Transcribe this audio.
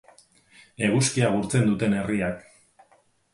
Eguzkia gurtzen duten herriak.